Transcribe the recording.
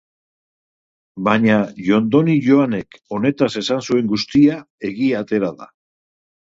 Baina Jondoni Joanek honetaz esan zuen guztia egia atera da.